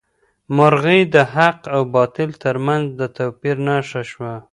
مرغۍ د حق او باطل تر منځ د توپیر نښه شوه.